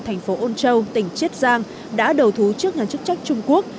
thành phố âu châu tỉnh chiết giang đã đầu thú trước ngành chức trách trung quốc